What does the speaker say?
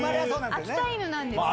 秋田犬なんです。